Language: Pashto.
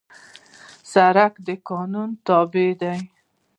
سړک د قانون تابع دی.